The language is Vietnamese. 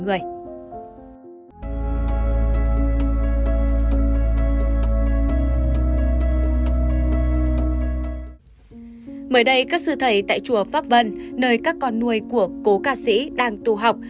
mời đây các sư thầy tại chùa pháp vân nơi các con nuôi của cố ca sĩ đang tu học